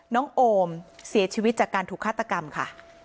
โอมเสียชีวิตจากการถูกฆาตกรรมค่ะ